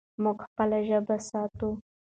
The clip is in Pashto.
موږ خپله ژبه ساتو.